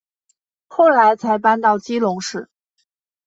后来才搬到基隆市。